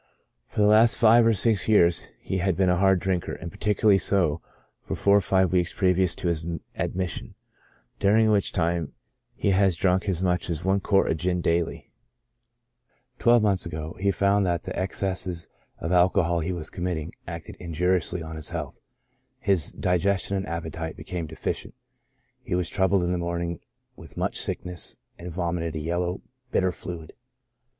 For the last five or six years he had been a hard drinker, and particularly so for four or five weeks previous to his admission, during which time he has drunk as much as one quart of gin daily. Twelve months ago, he found that the excesses of alcohol he was committing acted injuriously on his health ; his digestion and appetite became deficient, he * By acute stage of alcoholism is meant delirium tremens. SYMPTOMS. 33 was troubled in the morning with much sickness, and vom ited a yellow, bitter fluid.